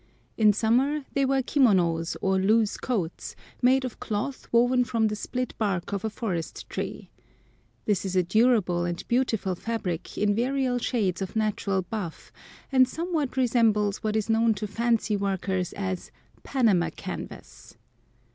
In summer they wear kimonos, or loose coats, made of cloth woven from the split bark of a forest tree. This is a durable and beautiful fabric in various shades of natural buff, and somewhat resembles what is known to fancy workers as "Panama canvas."